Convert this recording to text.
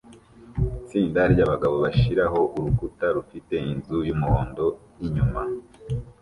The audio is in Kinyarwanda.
Itsinda ryabagabo bashiraho urukuta rufite inzu yumuhondo inyuma